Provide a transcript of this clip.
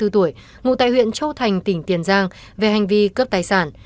hai mươi bốn tuổi ngụ tại huyện châu thành tỉnh tiền giang về hành vi cướp tài sản